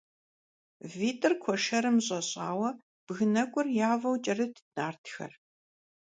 ВитӀыр куэшэрым щӀэщӀауэ бгы нэкӀур явэу кӀэрытт нартхэр.